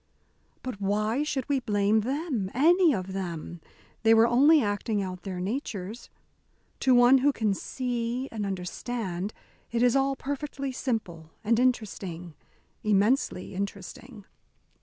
"But why should we blame them any of them? They were only acting out their natures. To one who can see and understand, it is all perfectly simple, and interesting immensely interesting."